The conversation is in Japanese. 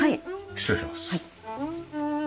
失礼します。